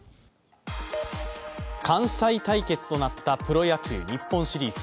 関西対決となったプロ野球日本シリーズ。